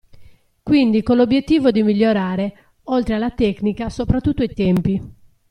Quindi con l'obiettivo di migliorare, oltre alla tecnica, soprattutto i tempi.